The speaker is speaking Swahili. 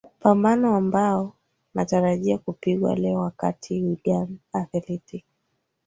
pambano ambao nataraji kupigwa leo wakati wigan athletic